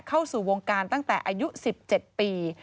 เข้าสู่วงการตั้งแต่อายุ๑๗ปี